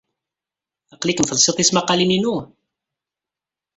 Aql-ikem telsid tismaqqalin-inu?